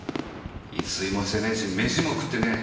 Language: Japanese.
一睡もしてねえし飯も食ってねえ。